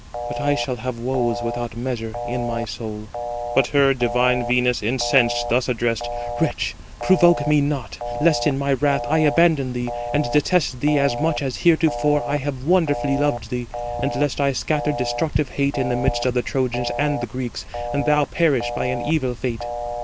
But I shall have woes without measure in my soul." But her, divine Venus, incensed, thus addressed: "Wretch, provoke me not, lest in my wrath I abandon thee, and detest thee as much as heretofore I have wonderfully loved thee, and lest I scatter destructive hate in the midst of the Trojans and Greeks, and thou perish by an evil fate."